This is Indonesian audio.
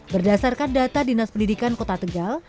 berdasarkan data dinas pendidikan kota tegal